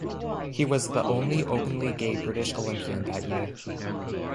He was the only openly gay British Olympian that year.